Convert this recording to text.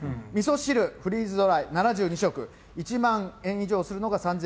みそ汁、フリーズドライ７２食、１万円以上するのが３９８０円。